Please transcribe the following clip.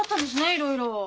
いろいろ。